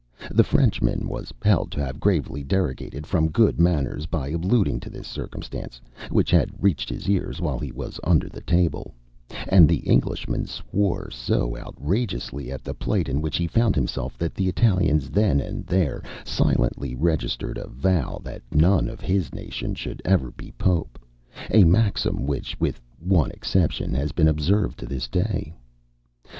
The Frenchman was held to have gravely derogated from good manners by alluding to this circumstance, which had reached his ears while he was under the table: and the Englishman swore so outrageously at the plight in which he found himself that the Italians then and there silently registered a vow that none of his nation should ever be Pope, a maxim which, with one exception, has been observed to this day.